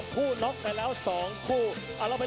โปรดติดตามต่อไป